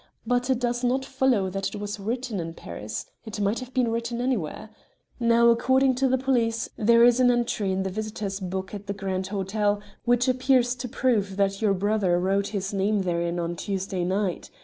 But it does not follow that it was written in Paris; it might have been written anywhere. Now, according to the police, there is an entry in the visitors' book at the Grand Hotel which appears to prove that your brother wrote his name therein on Tuesday night.